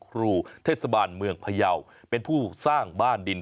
ตามแนวทางศาสตร์พระราชาของในหลวงราชการที่๙